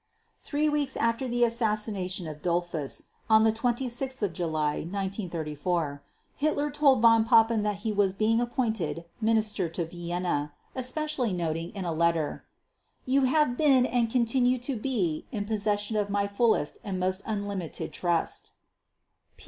Three weeks after the assassination of Dollfuss, on 26 July 1934, Hitler told Von Papen that he was being appointed Minister to Vienna, especially noting in a letter: "You have been and continue to be in possession of my fullest and most unlimited trust